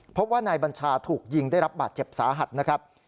พบว่านายบัญชาถูกยิงได้รับบาดเจ็บสาหัสนะครับ